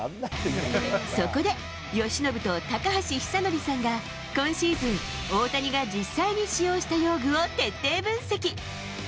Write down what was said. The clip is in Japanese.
そこで、由伸と高橋尚成さんが今シーズン、大谷が実際に使用した用具を徹底分析。